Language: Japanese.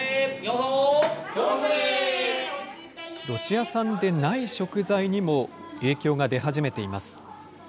ロシア産でない食材にも影響が出始めています。